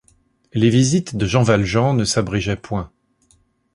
Les visites de Jean Valjean ne s’abrégeaient point.